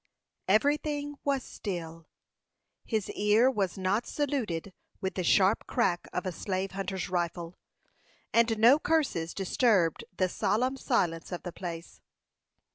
Every thing was still; his ear was not saluted with the sharp crack of a slave hunter's rifle, and no curses disturbed the solemn silence of the place.